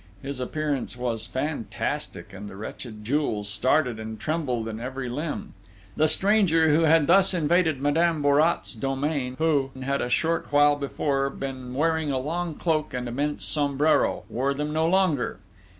His appearance was fantastic, and the wretched Jules started and trembled in every limb. The stranger, who had thus invaded Madame Bourrat's domain, who a short while before had been wearing a long cloak and immense sombrero, wore them no longer.